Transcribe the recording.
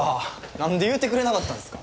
なんで言うてくれなかったんすか。